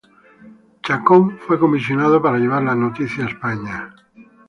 Chacón fue comisionado para llevar la noticia a España.